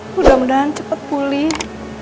mudah mudahan cepat pulih